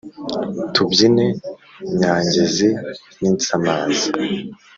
tubyine nyangezi n'insamaza.